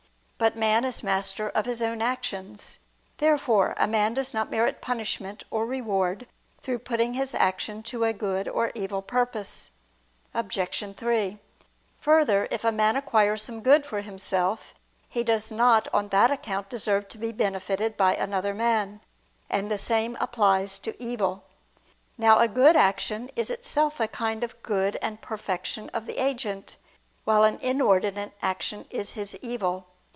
But man is master of his own actions. Therefore a man does not merit punishment or reward, through putting his action to a good or evil purpose. Obj. 3: Further, if a man acquire some good for himself, he does not on that account deserve to be benefited by another man: and the same applies to evil. Now a good action is itself a kind of good and perfection of the agent: while an inordinate action is his evil.